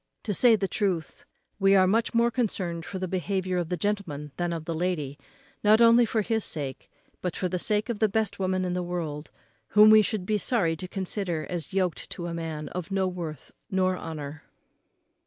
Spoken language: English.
To say the truth, we are much more concerned for the behaviour of the gentleman than of the lady, not only for his sake, but for the sake of the best woman in the world, whom we should be sorry to consider as yoked to a man of no worth nor honour.